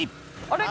あれ？